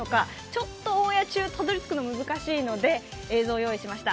ちょっとオンエア中たどりつくのは難しいので映像を用意しました。